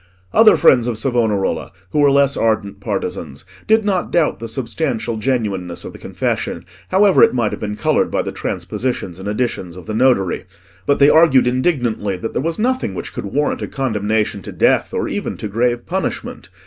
Other friends of Savonarola, who were less ardent partisans, did not doubt the substantial genuineness of the confession, however it might have been coloured by the transpositions and additions of the notary; but they argued indignantly that there was nothing which could warrant a condemnation to death, or even to grave punishment.